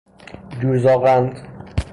جوزاغند